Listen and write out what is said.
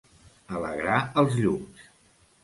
Alegrar els llums.